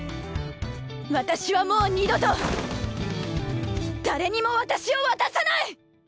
私はもう二度と誰にも私を渡さない！